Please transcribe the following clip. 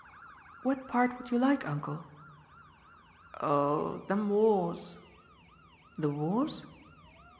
"What part would you like, uncle?" "Oh, them wars." "The wars?"